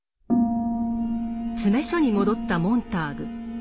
詰所に戻ったモンターグ。